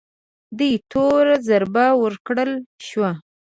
دې تور ضربه ورکړل شوه